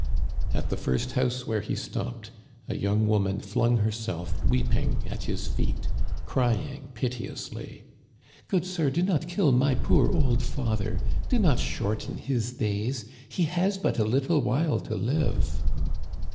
At the first house where he stopped a young woman flung herself weeping at his feet, crying pite ously :Good sir, do not kill my poor old father. Do not shorten his days. He has but a little while to live."